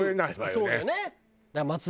そうだね。